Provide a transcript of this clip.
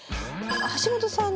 橋本さん。